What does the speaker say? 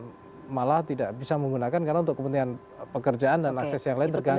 yang malah tidak bisa menggunakan karena untuk kepentingan pekerjaan dan akses yang lain tergantung